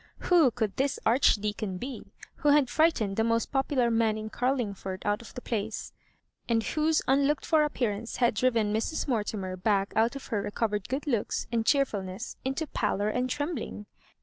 Who could this Archdeacon be who had frightened the most popular man in Oarling ford out of the place, and whose unlooked for appearance had driven Mrs. Mortimer back out of her recovered good looks and cheerfulness into pallor and trembling?